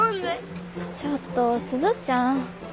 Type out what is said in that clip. ちょっと鈴ちゃん。